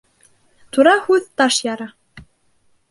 Тура һүҙ таш яра